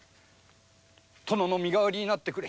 殿の身代わりになってくれ。